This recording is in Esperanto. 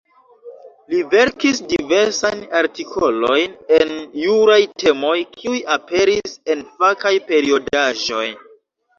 Li verkis diversajn artikolojn en juraj temoj, kiuj aperis en fakaj periodaĵoj.